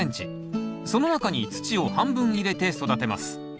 その中に土を半分入れて育てます。